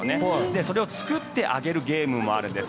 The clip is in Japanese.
それを作ってあげるゲームもあるんです。